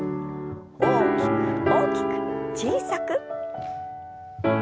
大きく大きく小さく。